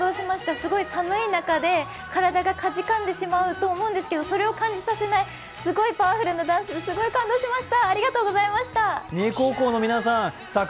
すごい寒い中で体がかじかんでしまうと思うんですけど、それを感じさせないすごいパワフルなダンスすごい感動しました。